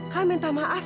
kak minta maaf